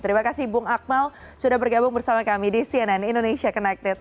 terima kasih bung akmal sudah bergabung bersama kami di cnn indonesia connected